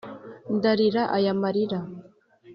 ndarira aya marira